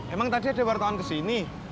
emang tadi ada wartawan ke sini